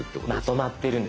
まとまってるんです。